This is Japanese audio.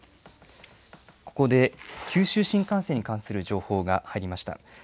ここで九州新幹線に関する情報が入りました。